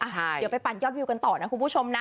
เดี๋ยวไปปั่นยอดวิวกันต่อนะคุณผู้ชมนะ